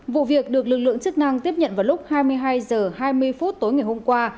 vụ việc được lực lượng chức năng tiếp nhận vào lúc hai mươi hai h hai mươi phút tối ngày hôm qua